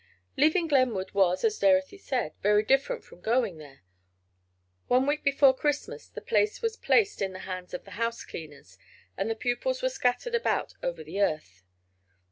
Leaving Glenwood was, as Dorothy said, very different from going there. One week before Christmas the place was placed in the hands of the house cleaners, and the pupils were scattered about over the earth.